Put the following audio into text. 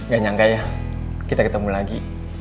gak nyangka ya kita ketemu lagi